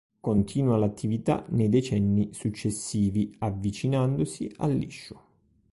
Continua l'attività nei decenni successivi, avvicinandosi al liscio.